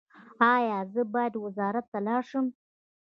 ایا زه باید وزارت ته لاړ شم؟